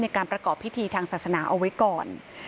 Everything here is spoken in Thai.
ประกอบพิธีทางศาสนาเอาไว้ก่อน